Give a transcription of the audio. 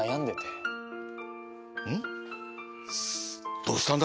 どうしたんだ？